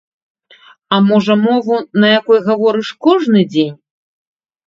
А можа, мову, на якой гаворыш кожны дзень?